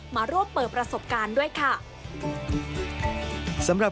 มาร่วมเปิดประสบการณ์ด้วยค่ะ